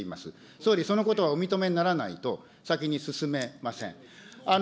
総理、そのことはお認めにならないと先に進めません。